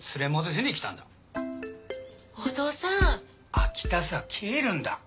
秋田さけえるんだ。